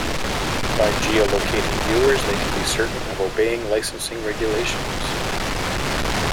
By geolocating viewers, they can be certain of obeying licensing regulations.